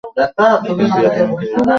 কিন্তু এটা আমি কিভাবে করবো?